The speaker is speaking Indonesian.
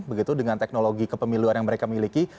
begitu dengan teknologi kepemiluan yang mereka miliki